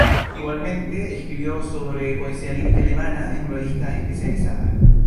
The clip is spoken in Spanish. Igualmente escribió sobre poesía lírica alemana en revistas especializadas.